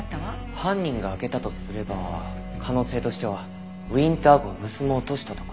犯人が開けたとすれば可能性としてはウィンター号を盗もうとしたとか。